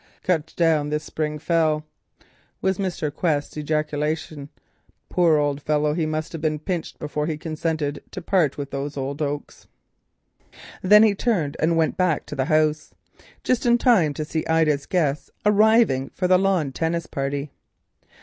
"Cut down this spring fell," was Mr. Quest's ejaculation. "Poor old gentleman, he must have been pinched before he consented to part with those oaks." Then he turned and went back to the house, just in time to see Ida's guests arriving for the lawn tennis party.